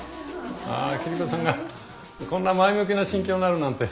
桐子さんがこんな前向きな心境になるなんて。